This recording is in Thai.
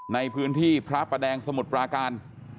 ในพื้นที่พระประแดงสมุทรปราการ